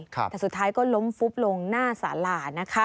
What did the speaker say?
แต่สุดท้ายก็ล้มฟุบลงหน้าสารานะคะ